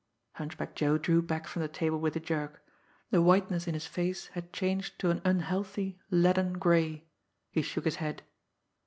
Hunchback Joe drew back from the table with a jerk. The whiteness in his face had changed to an unhealthy, leaden gray. He shook his head.